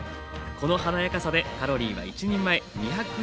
この華やかさでカロリーは１人前２１４ｋｃａｌ。